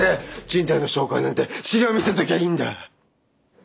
賃貸の紹介なんて資料見せときゃいいんだ。